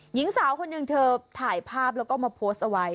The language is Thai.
หญิงสาวคนหนึ่งเธอถ่ายภาพแล้วก็มาโพสต์เอาไว้